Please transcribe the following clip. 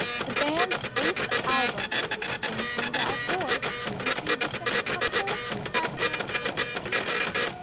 The band's eighth album, "In Through the Out Door", received a sextuple platinum certification.